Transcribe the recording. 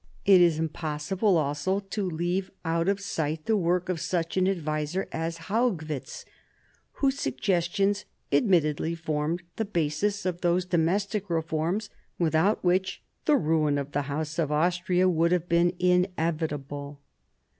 It is impossible, also, to leave out of sight the work of such an adviser as Haugwitz, whose suggestions admittedly formed the Basls~Of those domestic reforms without which the ruin of the House of Austria would have been inevitable.